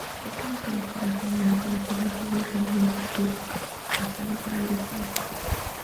Es una cabecera general para permitir el reenvío entre peers hasta llegar al destino.